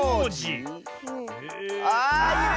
あいる！